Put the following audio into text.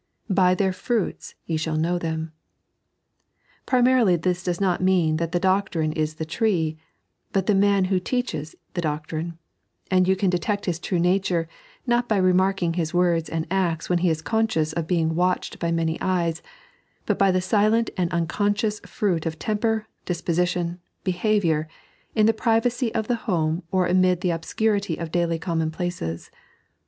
"By their fruits ye shall know them," Primarily this does not mean that the doctrine is the tree, but the man who teaches the doctrine ; and you can detect his true nature, not by remarking his words and acts when he is conscious of being watched by many eyes, but by the silent and unconscious fruit of temper, disposition, behaviour, in the privacy of the home or amid the obscurity of daily common places.